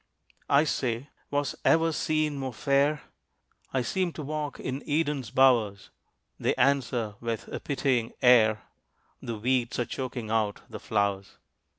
I say, "Was ever scene more fair? I seem to walk in Eden's bowers." They answer with a pitying air, "The weeds are choking out the flowers."